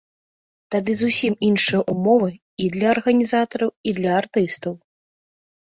Тады зусім іншыя ўмовы і для арганізатараў, і для артыстаў.